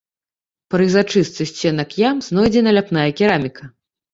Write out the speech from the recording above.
Пры зачыстцы сценак ям знойдзена ляпная кераміка.